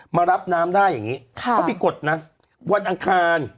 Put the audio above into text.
มารับน้ำได้อย่างนี้เขามีกฎนะวันอังคาร